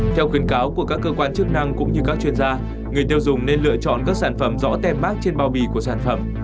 theo khuyến cáo của các cơ quan chức năng cũng như các chuyên gia người tiêu dùng nên lựa chọn các sản phẩm rõ tem mát trên bao bì của sản phẩm